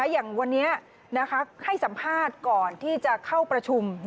อย่างวันนี้ให้สัมภาษณ์ก่อนที่จะเข้าประชุม